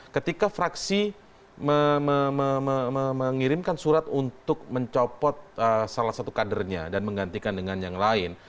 ketika fraksi mengirimkan surat untuk mencopot salah satu kadernya dan menggantikan dengan yang lain